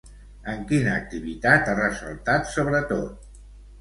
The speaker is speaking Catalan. En quina activitat ha ressaltat sobretot?